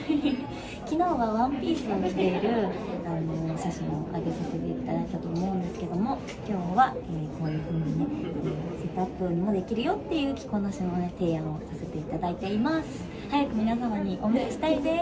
きのうはワンピースを着ている写真をあげさせていただいたと思うんですけれども、きょうはこのようにセットアップもできるよっていう着こなしを提案させていただいています。